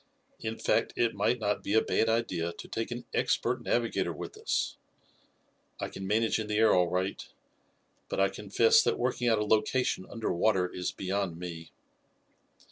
In fact, it might not be a bad idea to take an expert navigator with us. I can manage in the air all right, but I confess that working out a location under water is beyond me."